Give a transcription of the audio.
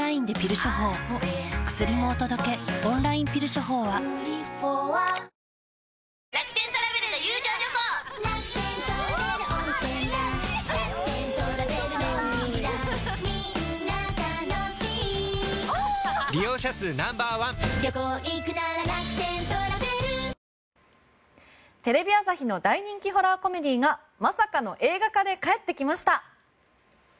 週間予報を見ますとテレビ朝日の大人気ホラーコメディーがまさかの映画化で帰ってきました。